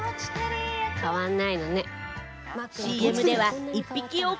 変わらないのね。